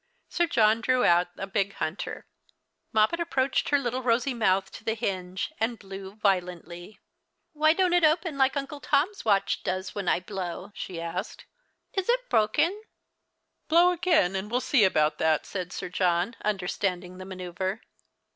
Sir John drew out a big hunter. Moppet approached her little rosy moutli to the hinge and blew violently. 102 The Christmas Hirelings. " Why don't it open like Uncle Tom's watch does when I blow ?" she asked. " Is it broken ?"" Blow again, and we'll see about that," said Sir John, understanding the manoeuvre.